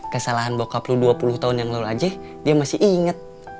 kesalahan bokap lo dua puluh tahun yang lalu aja dia masih inget